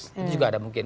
itu juga ada mungkin